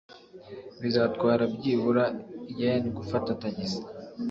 Bizatwara byibura yen gufata tagisi.